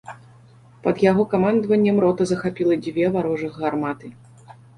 Пад яго камандаваннем рота захапіла дзве варожых гарматы.